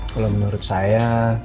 kalau menurut saya